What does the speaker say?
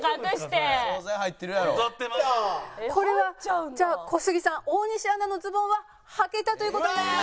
これはじゃあ小杉さん大西アナのズボンは「はけた」という事になります。